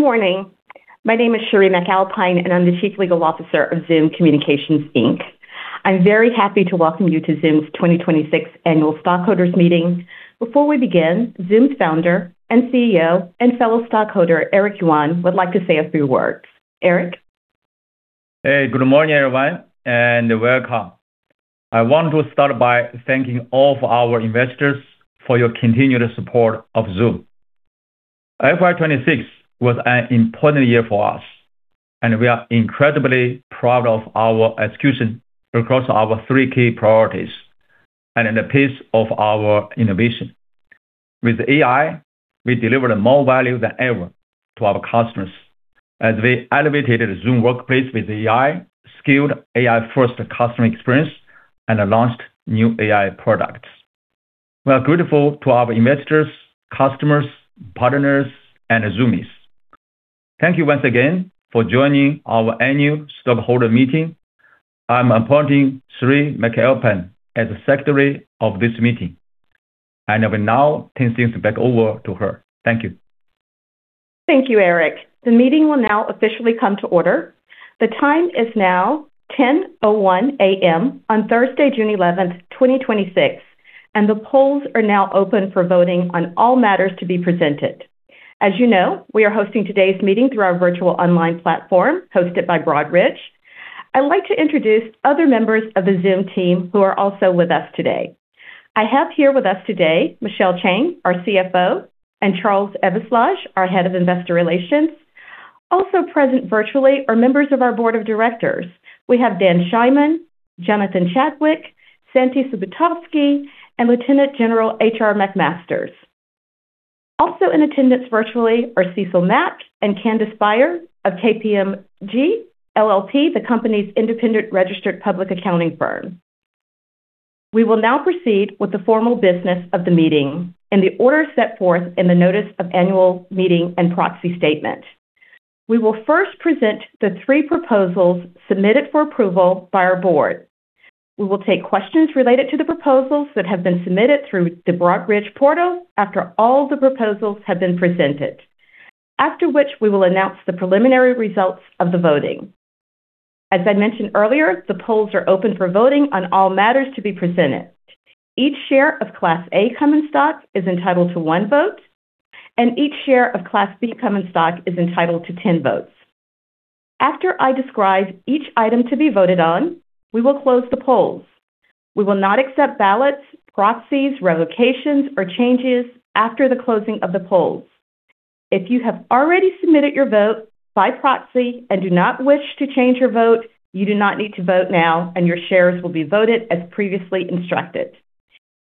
Good morning. My name is Cheree McAlpine, and I'm the Chief Legal Officer of Zoom Communications, Inc. I'm very happy to welcome you to Zoom's 2026 annual stockholders meeting. Before we begin, Zoom's Founder and CEO and fellow stockholder, Eric Yuan, would like to say a few words. Eric? Hey, good morning, everyone, and welcome. I want to start by thanking all of our investors for your continued support of Zoom. FY 2026 was an important year for us, and we are incredibly proud of our execution across our three key priorities and the pace of our innovation. With AI, we delivered more value than ever to our customers as we elevated Zoom Workplace with AI, scaled AI-first customer experience, and launched new AI products. We are grateful to our investors, customers, partners, and Zoomies. Thank you once again for joining our annual stockholder meeting. I'm appointing Cheree McAlpine as secretary of this meeting, and I will now turn things back over to her. Thank you. Thank you, Eric. The meeting will now officially come to order. The time is now 10:01 A.M. on Thursday, June 11th, 2026, and the polls are now open for voting on all matters to be presented. As you know, we are hosting today's meeting through our virtual online platform hosted by Broadridge. I'd like to introduce other members of the Zoom team who are also with us today. I have here with us today Michelle Chang, our CFO, and Charles Eveslage, our head of investor relations. Also present virtually are members of our Board of Directors. We have Dan Scheinman, Jonathan Chadwick, Santi Subotovsky, and Lieutenant General H.R. McMaster. Also in attendance virtually are Cecil Mak and [Candice Byers] of KPMG LLP, the company's independent registered public accounting firm. We will now proceed with the formal business of the meeting in the order set forth in the notice of annual meeting and proxy statement. We will first present the three proposals submitted for approval by our board. We will take questions related to the proposals that have been submitted through the Broadridge portal after all the proposals have been presented, after which we will announce the preliminary results of the voting. As I mentioned earlier, the polls are open for voting on all matters to be presented. Each share of Class A common stock is entitled to one vote, and each share of Class B common stock is entitled to 10 votes. After I describe each item to be voted on, we will close the polls. We will not accept ballots, proxies, revocations, or changes after the closing of the polls. If you have already submitted your vote by proxy and do not wish to change your vote, you do not need to vote now, and your shares will be voted as previously instructed.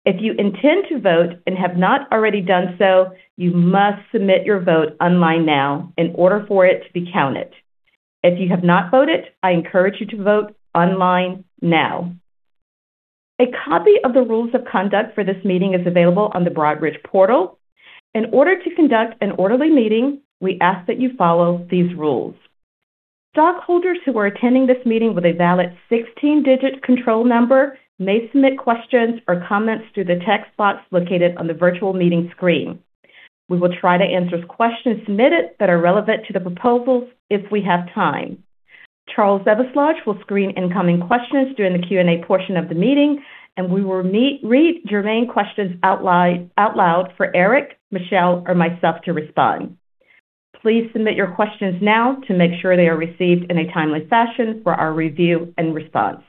If you intend to vote and have not already done so, you must submit your vote online now in order for it to be counted. If you have not voted, I encourage you to vote online now. A copy of the rules of conduct for this meeting is available on the Broadridge portal. In order to conduct an orderly meeting, we ask that you follow these rules. Stockholders who are attending this meeting with a valid 16-digit control number may submit questions or comments through the text box located on the virtual meeting screen. We will try to answer questions submitted that are relevant to the proposals if we have time. Charles Eveslage will screen incoming questions during the Q&A portion of the meeting, and we will read germane questions out loud for Eric, Michelle, or myself to respond. Please submit your questions now to make sure they are received in a timely fashion for our review and response.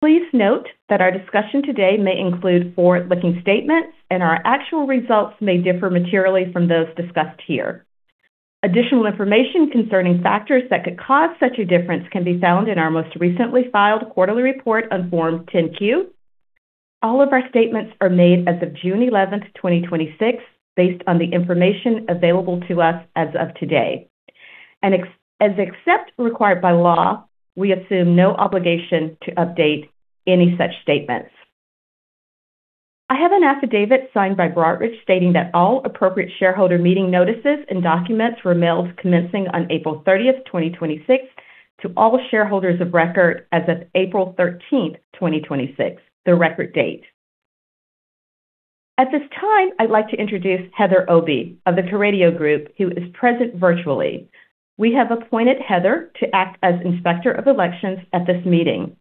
Please note that our discussion today may include forward-looking statements, and our actual results may differ materially from those discussed here. Additional information concerning factors that could cause such a difference can be found in our most recently filed quarterly report on Form 10-Q. All of our statements are made as of June 11th, 2026, based on the information available to us as of today. Except where required by law, we assume no obligation to update any such statements. I have an affidavit signed by Broadridge stating that all appropriate shareholder meeting notices and documents were mailed commencing on April 30th, 2026, to all shareholders of record as of April 13th, 2026, the record date. At this time, I'd like to introduce Heather Obi of the Carideo Group, who is present virtually. We have appointed Heather to act as Inspector of Elections at this meeting.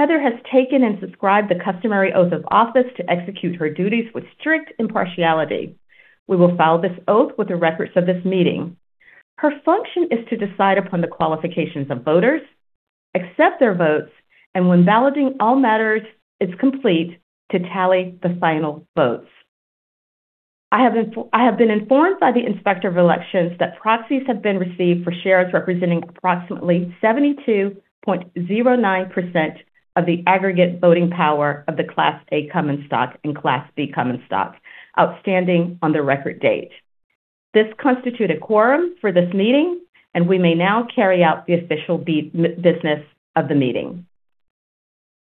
Heather has taken and subscribed the customary oath of office to execute her duties with strict impartiality. We will file this oath with the records of this meeting. Her function is to decide upon the qualifications of voters, accept their votes, and when balloting all matters is complete, to tally the final votes. I have been informed by the Inspector of Elections that proxies have been received for shares representing approximately 72.09% of the aggregate voting power of the Class A common stock and Class B common stock outstanding on the record date. This constitutes a quorum for this meeting, and we may now carry out the official business of the meeting.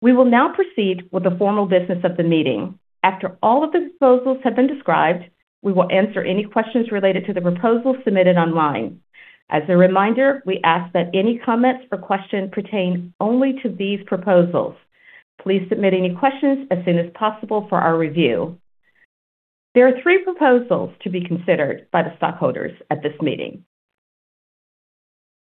We will now proceed with the formal business of the meeting. After all of the proposals have been described, we will answer any questions related to the proposals submitted online. As a reminder, we ask that any comments or question pertain only to these proposals. Please submit any questions as soon as possible for our review. There are three proposals to be considered by the stockholders at this meeting.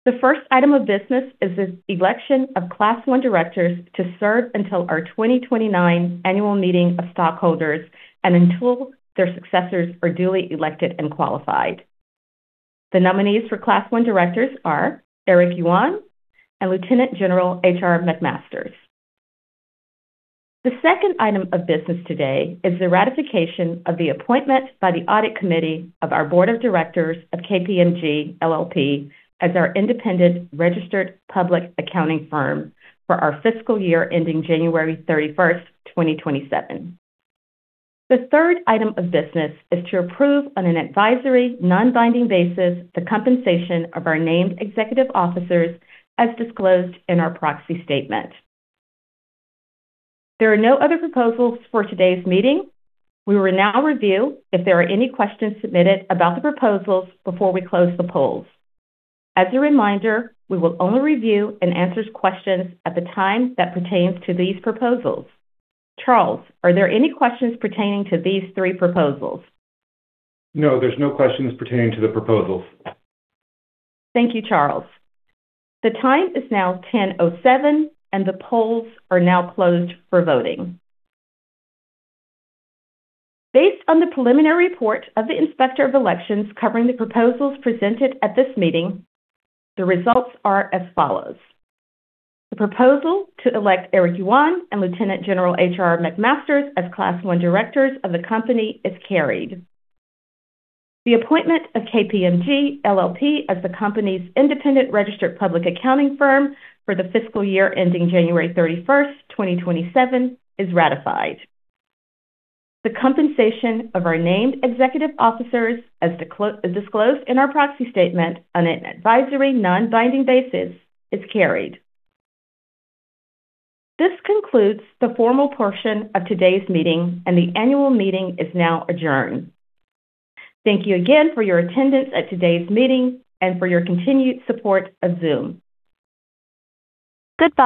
The first item of business is the election of Class I directors to serve until our 2029 annual meeting of stockholders, and until their successors are duly elected and qualified. The nominees for Class I directors are Eric Yuan and Lieutenant General H.R. McMaster. The second item of business today is the ratification of the appointment by the audit committee of our board of directors of KPMG LLP as our independent registered public accounting firm for our fiscal year ending January 31st, 2027. The third item of business is to approve, on an advisory, non-binding basis, the compensation of our named executive officers as disclosed in our proxy statement. There are no other proposals for today's meeting. We will now review if there are any questions submitted about the proposals before we close the polls. As a reminder, we will only review and answer questions at the time that pertains to these proposals. Charles, are there any questions pertaining to these three proposals? No, there's no questions pertaining to the proposals. Thank you, Charles. The time is now 10:07 A.M., and the polls are now closed for voting. Based on the preliminary report of the Inspector of Elections covering the proposals presented at this meeting, the results are as follows. The proposal to elect Eric Yuan and Lieutenant General H.R. McMaster as class I directors of the company is carried. The appointment of KPMG LLP as the company's independent registered public accounting firm for the fiscal year ending January 31st, 2027 is ratified. The compensation of our named executive officers, as disclosed in our proxy statement on an advisory, non-binding basis, is carried. This concludes the formal portion of today's meeting, and the annual meeting is now adjourned. Thank you again for your attendance at today's meeting and for your continued support of Zoom. Goodbye